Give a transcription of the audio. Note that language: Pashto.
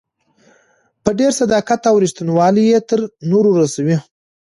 په ډېر صداقت او ريښتينوالۍ يې تر نورو رسوي.